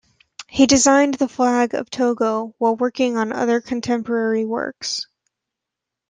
He designed the flag of Togo while working on other contemporary works.